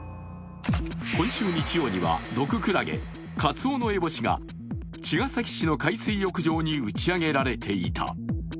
今週日曜には毒クラゲカツオノエボシが茅ヶ崎市の海水浴場に打ち上げられていた。